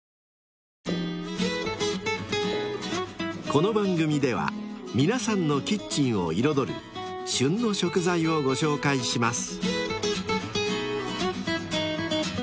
［この番組では皆さんのキッチンを彩る「旬の食材」をご紹介します］